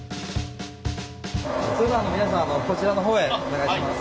それでは皆さんこちらの方へお願いします。